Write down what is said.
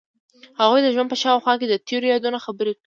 هغوی د ژوند په خوا کې تیرو یادونو خبرې کړې.